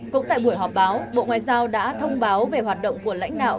cũng tại buổi họp báo bộ ngoại giao đã thông báo về hoạt động của lãnh đạo